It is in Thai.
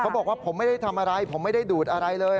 บอกว่าผมไม่ได้ทำอะไรผมไม่ได้ดูดอะไรเลย